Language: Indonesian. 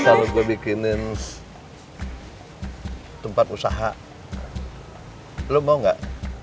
kalau gue bikinin tempat usaha lo mau nggak